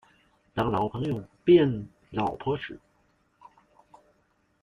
當女朋友變老婆時